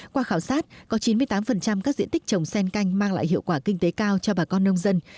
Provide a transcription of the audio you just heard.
qua khảo sát có chín mươi tám các diện tích trồng sen canh mang lại hiệu quả kinh tế cao cho bà con nông dân